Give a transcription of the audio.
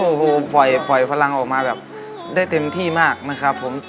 โอ้โหปล่อยพลังออกมาแบบได้เต็มที่มากนะครับผม